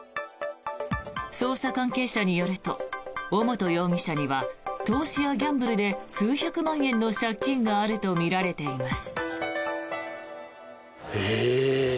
捜査関係者によると尾本容疑者には投資やギャンブルで数百万円の借金があるとみられています。